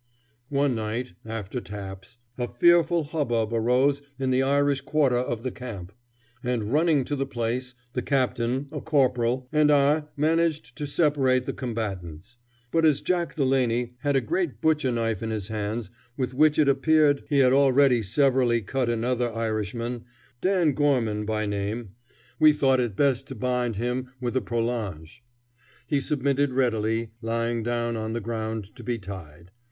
One night, after taps, a fearful hubbub arose in the Irish quarter of the camp, and running to the place, the captain, a corporal, and I managed to separate the combatants; but as Jack Delaney had a great butcher knife in his hands with which it appeared he had already severely cut another Irishman, Dan Gorman by name, we thought it best to bind him with a prolonge. He submitted readily, lying down on the ground to be tied.